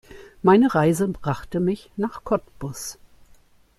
Meine Reise brachte mich nach Cottbus